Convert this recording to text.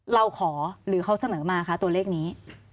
เราขอหรือเขาเสนอมาคะตัวเลขนี้